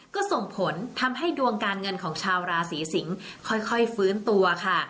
ก็ส่งผลทำให้ดวงการเงินของชาวราศีสิงศ์ค่อยฟื้นตัวค่ะ